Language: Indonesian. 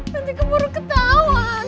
nanti keburu ketauan